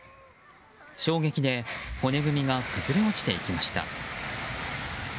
衝撃で骨組みが崩れ落ちていきました。